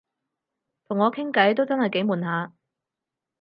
同我傾偈都真係幾悶下